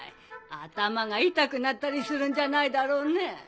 頭が痛くなったりするんじゃないだろうね？